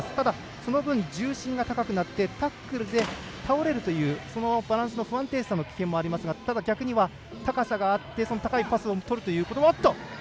その分、重心が高くなって、タックルで倒れるというバランスの不安定さの危険もありますが逆に言えば、高さがあって高いパスをとるという。